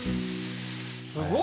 すごい。